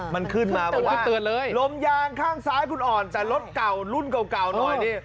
มันขึ้นมาบนรถเตือนเลยลมยางข้างซ้ายคุณอ่อนแต่รถเก่ารุ่นเก่าหน่อยนี่